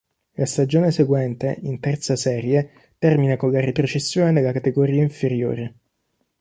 La stagione seguente, in terza serie, termina con la retrocessione nella categoria inferiore.